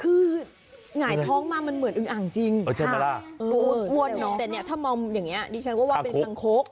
คือหงายท้องมามันเหมือนอึงอ่างจริงแต่เนี่ยถ้ามองอย่างนี้ดิฉันก็ว่าเป็นคางคก